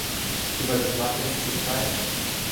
Über Geschmack lässt sich streiten!